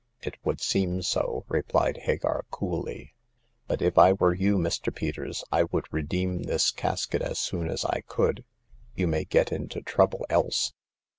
" It would seem so/* replied Hagar, coolly. •' But if I were you, Mr. Peters, I would redeem this casket as soon as I could. You may get into trouble else."